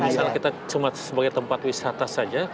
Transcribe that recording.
betul kalau misalnya kita sebagai tempat wisata saja